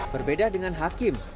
berbeda dengan hakim